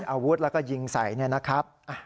อาวุธแล้วก็ยิงใส่เนี่ยนะครับ